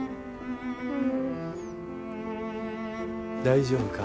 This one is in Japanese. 大丈夫か？